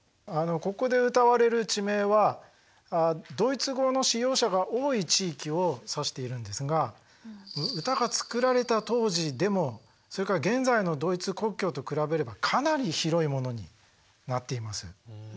ここで歌われる地名はドイツ語の使用者が多い地域を指しているんですが歌が作られた当時でもそれから現在のドイツ国境と比べればかなり広いものになっています。